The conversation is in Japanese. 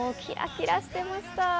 キラキラしてました。